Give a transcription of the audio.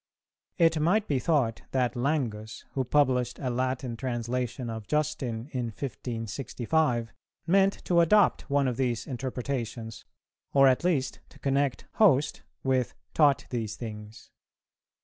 It might be thought that Langus, who published a Latin translation of Justin in 1565, meant to adopt one of these interpretations, or at least to connect 'host' with 'taught these things.'